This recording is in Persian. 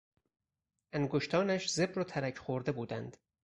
انگشتانش زبر و ترک خورده بودند.